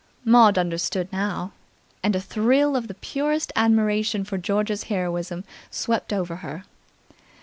Maud understood now, and a thrill of the purest admiration for George's heroism swept over her.